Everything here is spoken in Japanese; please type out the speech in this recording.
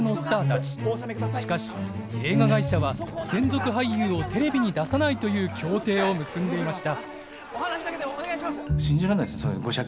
しかし映画会社は専属俳優をテレビに出さないという協定を結んでいました。